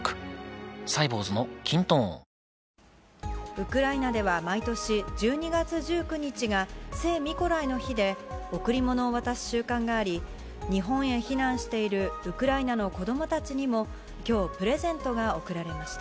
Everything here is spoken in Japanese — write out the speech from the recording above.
ウクライナでは、毎年１２月１９日が聖ミコライの日で、贈り物を渡す習慣があり、日本へ避難しているウクライナの子どもたちにもきょう、プレゼントが贈られました。